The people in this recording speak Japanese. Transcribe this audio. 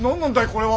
これは。